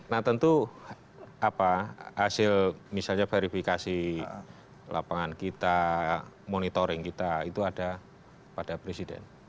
nah tentu apa hasil misalnya verifikasi lapangan kita monitoring kita itu ada pada presiden